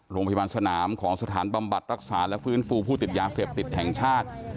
โรงพยาบาลสนามของสถานบำบัดรักษาและฟื้นฟูผู้ติดยาเสพติดแห่งชาติ